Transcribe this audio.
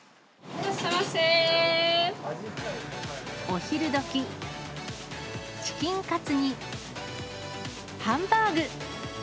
お昼どき、チキンカツにハンバーグ。